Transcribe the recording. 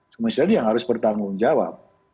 siapa yang harus bertanggung jawab